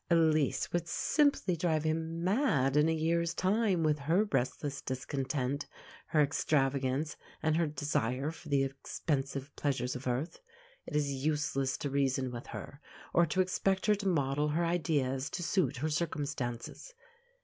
Elise would simply drive him mad in a year's time, with her restless discontent, her extravagance, and her desire for the expensive pleasures of earth. It is useless to reason with her, or to expect her to model her ideas to suit her circumstances.